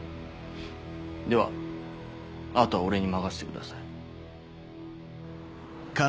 ではあとは俺に任せてください。